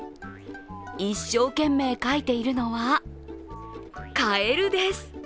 一生懸命描いているのはかえるです。